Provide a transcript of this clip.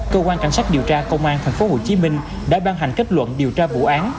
cơ quan cảnh sát điều tra công an tp hcm đã ban hành kết luận điều tra vụ án